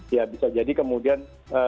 ya bisa jadi kemudian